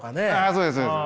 そうですそうです。